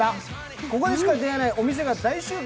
ここでしか出会えないお店が大集結。